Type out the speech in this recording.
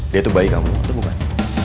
dia tuh bayi kamu bukan